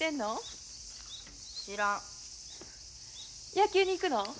野球に行くの？